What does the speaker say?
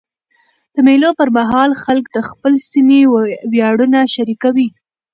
د مېلو پر مهال خلک د خپل سیمي ویاړونه شریکوي.